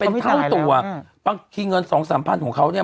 เป็นเท่าตัวบางทีเงิน๒๓๐๐๐ของเขาเนี่ย